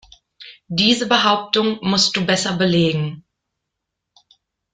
Diese Behauptung musst du besser belegen.